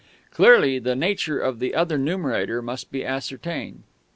Clearly, the nature of the other numerator must be ascertained.